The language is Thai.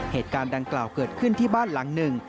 เหตุการณ์ดังกล่าวเกิดขึ้นที่บ้านหลังหนึ่ง